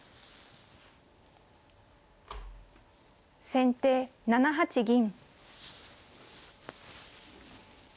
先手７八銀。